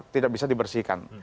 tidak bisa dibersihkan